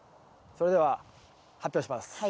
それでは発表します。